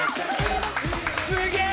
すげえ！